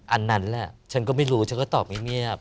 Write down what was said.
อันนั้นแหละฉันก็ไม่รู้ฉันก็ตอบไม่เงียบ